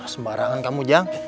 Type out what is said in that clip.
sembarangan kamu ceng